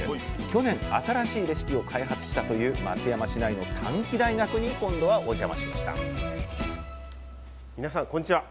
去年新しいレシピを開発したという松山市内の短期大学に今度はお邪魔しました皆さんこんにちは。